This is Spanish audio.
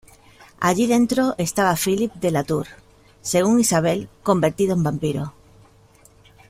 Allí dentro estaba Philippe de Latour, según Isabelle, convertido en vampiro.